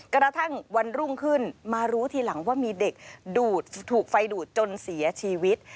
กระทั่งวันรุ่งขึ้นมารู้ทีหลังว่ามีเด็กดูดถูกไฟดูดจนเสียชีวิต